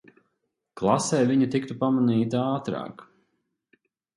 Klasē viņa tiktu pamanīta ātrāk...